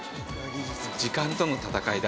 「時間との戦いだ」